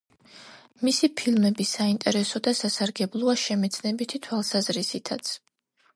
მისი ფილმები საინტერესო და სასარგებლოა შემეცნებითი თვალსაზრისითაც.